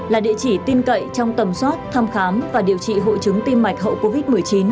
là địa chỉ tin cậy trong tầm soát thăm khám và điều trị hội chứng tim mạch hậu covid một mươi chín